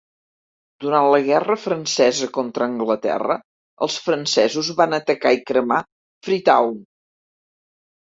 Durant la guerra francesa contra Anglaterra, els francesos van atacar i cremar Freetown.